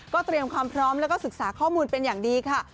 เตรียมความพร้อมแล้วก็ศึกษาข้อมูลเป็นอย่างดีค่ะ